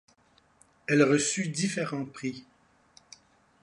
Elle reçut différents prix.